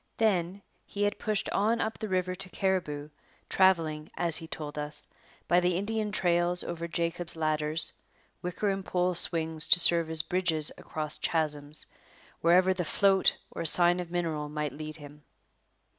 Then, he had pushed on up the river to Cariboo, travelling, as he told us, by the Indian trails over 'Jacob's ladders' wicker and pole swings to serve as bridges across chasms wherever the 'float' or sign of mineral might lead him.